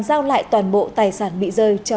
giao lại toàn bộ tài sản bị rơi cho